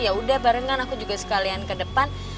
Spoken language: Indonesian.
yaudah barengan aku juga sekalian ke depan